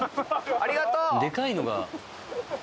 ありがとう！